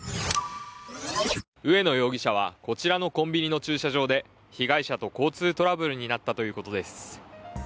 上野容疑者はこちらのコンビニの駐車場で被害者と交通トラブルになったということです。